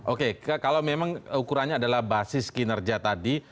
oke kalau memang ukurannya adalah basis kinerja tadi